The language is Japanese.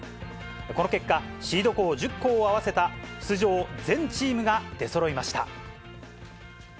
この結果、シード校１０校を合わせた出場全チームが出そろいました。